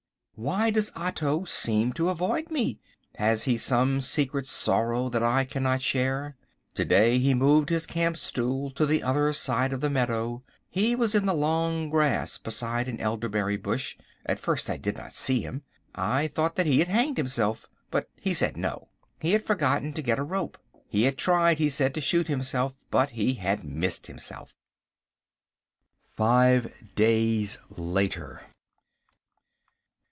Why does Otto seem to avoid me? Has he some secret sorrow that I cannot share? To day he moved his camp stool to the other side of the meadow. He was in the long grass behind an elderberry bush. At first I did not see him. I thought that he had hanged himself. But he said no. He had forgotten to get a rope. He had tried, he said, to shoot himself. But he had missed himself. Five Days Later.